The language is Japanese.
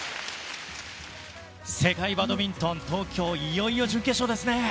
世界バドミントン東京いよいよ準決勝ですね。